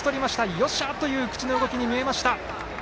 よっしゃ！という口の動きに見えました。